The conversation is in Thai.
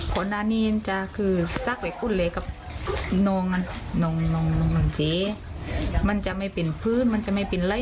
คนนานีจะคือสักหลายกลุ่นเลยกับนองนั้นหนองนองแจ่มันจะไม่เป็นพื้นมันจะไม่เป็นไร